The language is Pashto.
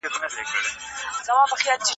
موږ په خپله ژمنه ولاړ یو.